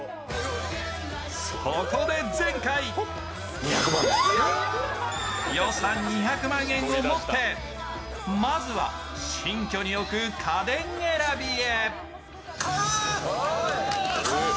そこで前回、予算２００万円を持って、まずは新居に置く家電選びへ。